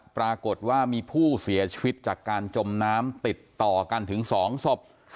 ปรากฏว่ามีผู้เสียชีวิตจากการจมน้ำติดต่อกันถึง๒ศพ